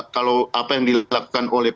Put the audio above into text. kalau apa yang dilakukan oleh